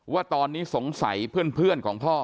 ว่าตอนนี้สงสัยเพื่อนของพ่อ